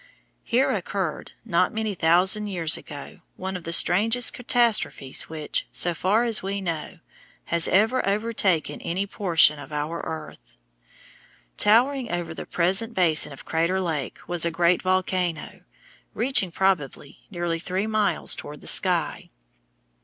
Here occurred, not many thousand years ago, one of the strangest catastrophes which, so far as we know, has ever overtaken any portion of our earth. Towering over the present basin of Crater Lake was a great volcano, reaching, probably, nearly three miles toward the sky.